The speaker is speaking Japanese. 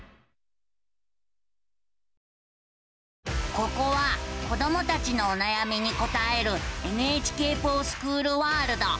ここは子どもたちのおなやみに答える「ＮＨＫｆｏｒＳｃｈｏｏｌワールド」。